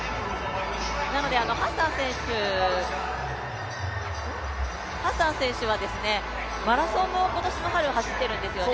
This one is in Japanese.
なのでハッサン選手はマラソンも今年の春、走ってるんですよね。